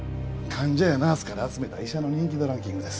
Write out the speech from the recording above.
患者やナースから集めた医者の人気度ランキングです。